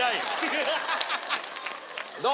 どう？